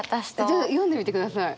じゃあ読んでみてください。